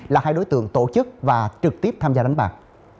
là hai đối tượng tổ chức và trực tiếp tham gia đánh bạc